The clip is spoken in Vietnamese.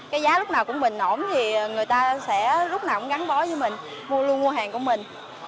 cái giá lúc nào cũng bình ổn thì người ta sẽ lúc nào cũng gắn bó với mình mua luôn mua hàng của mình